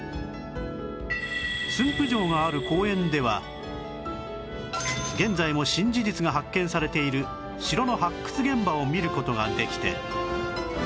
駿府城がある公園では現在も新事実が発見されている城の発掘現場を見る事ができて